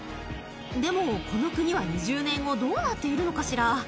でも、この国は２０年後、どうなっているのかしら。